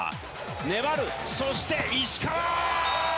粘る、そして石川！